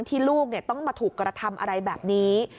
ลูกต้องมาถูกกระทำอะไรแบบนี้